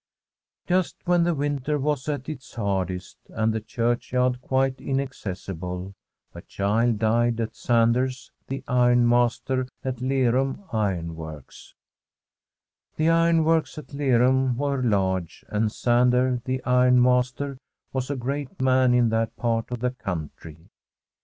Just when the winter was at its hardest, and the churchyard quite inaccessible, a child died at Sander's, the ironmaster at Lerum ironworks. The ironworks at Lerum were large, and [ 327] from a SfTEDlSH M0M£STEAD Sander, the ironmaster, was a great man in that part of the country.